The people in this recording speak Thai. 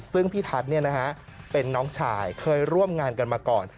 ซึ่งพี่ทัศน์เป็นน้องชายเคยร่วมงานกันมาก่อน